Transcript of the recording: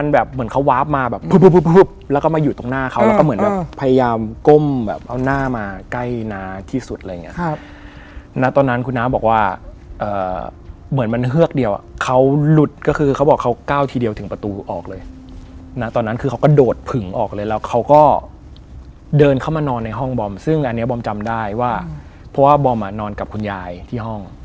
เชื่อเต็มร้อยว่าโลกนี้มีผี